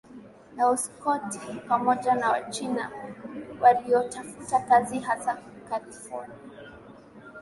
na Uskoti pamoja na Wachina waliotafuta kazi hasa Kalifornia